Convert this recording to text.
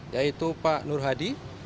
yaitu pak nur hadi